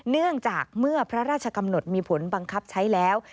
เนื่องจากเมื่อพระราชกำหนดมีผลบังคับใช้แล้ว